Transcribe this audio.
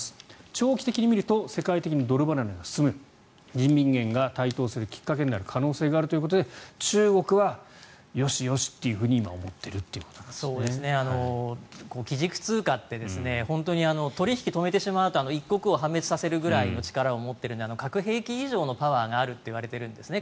長期的に見ると世界的にドル離れが進む人民元が台頭するきっかけになるということで中国は、よしよしというふうに基軸通貨って本当に取引を止めてしまうと１国を破滅させるぐらいの力を持っているので核兵器以上のパワーがあるといわれているんですね。